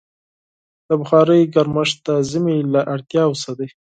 د بخارۍ ګرمښت د ژمي له اړتیاوو څخه دی.